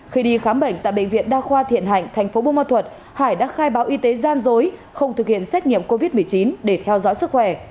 khi đi khám bệnh tại bệnh viện đa khoa thiện hạnh thành phố bô ma thuật hải đã khai báo y tế gian dối không thực hiện xét nghiệm covid một mươi chín để theo dõi sức khỏe